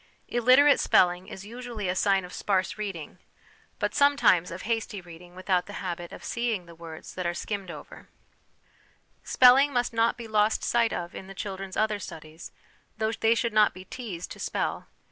Illiterate spelling is usually a sign of sparse read LESSONS AS INSTRUMENTS OF EDUCATION 243 ing ; but, sometimes, of hasty reading without the habit of seeing the words that are skimmed over. Spelling must not be lost sight of in the children's other studies, though they should not be teased to spell.